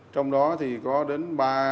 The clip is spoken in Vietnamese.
trong đó thì có đến